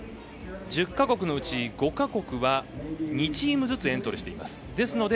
１０か国のうち５か国は２チームずつエントリーしています。